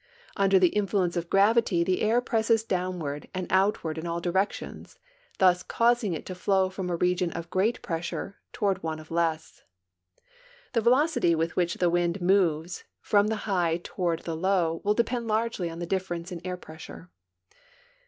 Under the influence of gravity the air presses downward and outward in all directions, thus caus ing it to How from a region of great pressure toward one of less. The velocity with whicli the wind moves from the high toward the low will depend largely on the difference in air pressure.